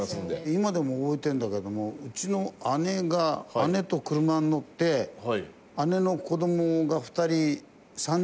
今でも覚えてるんだけどもうちの姉が姉と車に乗って姉の子供が２人３人乗ってたのか。